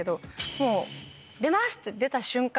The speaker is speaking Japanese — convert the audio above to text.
もう「出ます！」って出た瞬間